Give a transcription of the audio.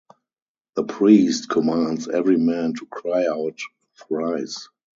The priest commands every man to cry out thrice.